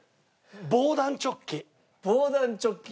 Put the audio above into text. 防弾チョッキ。